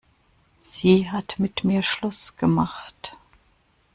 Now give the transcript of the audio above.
Sie hat mit mir Schluss gemacht.